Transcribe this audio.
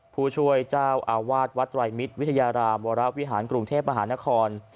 ผู้ช่วยเจ้าอาวาสวัดไตรมิตรวิทยารามวรวิหารกรุงเทพมหานคร